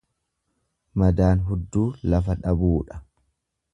Madaan hudduu lafa dhabuudha.